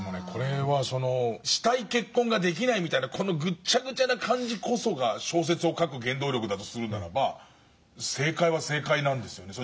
したい結婚ができないみたいなぐっちゃぐちゃな感じこそが小説を書く原動力だとするならば正解は正解なんですよね。